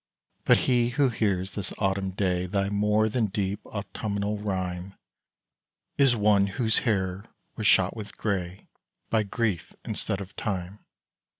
But he who hears this autumn day Thy more than deep autumnal rhyme, Is one whose hair was shot with grey By Grief instead of Time.